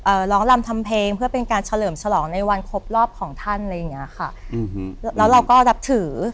ร้องรำทำเพลงเพื่อเป็นการเฉลิมฉลองในวันครบรอบของท่านอะไรอย่างเงี้ยค่ะอืมแล้วเราก็นับถือ